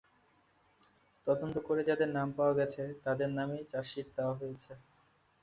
তদন্ত করে যাদের নাম পাওয়া গেছে, তাদের নামে চার্জশিট দেওয়া হয়েছে।